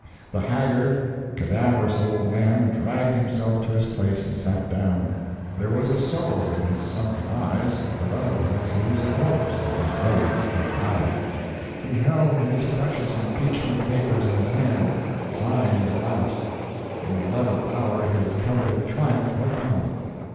] The haggard, cadaverous old man dragged himself to his place and sat down. There was a soul in his sunken eyes, but otherwise he was a corpse that was ready for the shroud. He held his precious impeachment papers in his hand, signed at last! In the eleventh hour his coveted triumph had come.